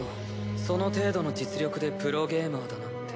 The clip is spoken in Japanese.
その程度の実力でプロゲーマーだなんて。